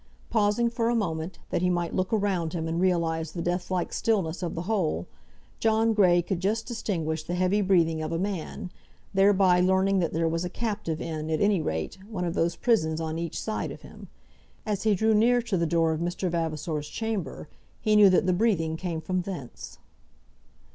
Pausing for a moment, that he might look round about him and realize the deathlike stillness of the whole, John Grey could just distinguish the heavy breathing of a man, thereby learning that there was a captive in, at any rate, one of those prisons on each side of him. As he drew near to the door of Mr. Vavasor's chamber he knew that the breathing came from thence.